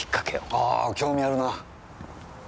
ああ興味あるな。